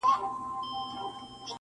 • دا ارزانه افغانان چي سره ګران سي..